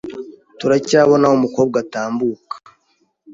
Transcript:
Turacyabona aho umukobwa atambuka